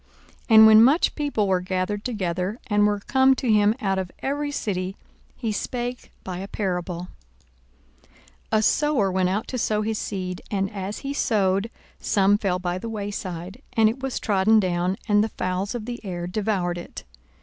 42:008:004 And when much people were gathered together, and were come to him out of every city, he spake by a parable: 42:008:005 A sower went out to sow his seed: and as he sowed, some fell by the way side; and it was trodden down, and the fowls of the air devoured it.